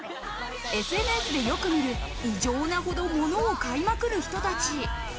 ＳＮＳでよく見る、異常なほど物を買いまくる人たち。